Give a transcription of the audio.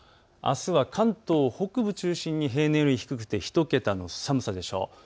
あすは関東北部中心に、平年より低くて１桁の寒さでしょう。